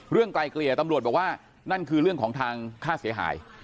ไกลเกลี่ยตำรวจบอกว่านั่นคือเรื่องของทางค่าเสียหาย